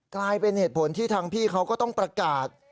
กลายเป็นเหตุผลที่ทางพี่เขาก็ต้องประกาศ